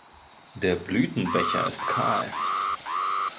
Der Blütenbecher ist kahl.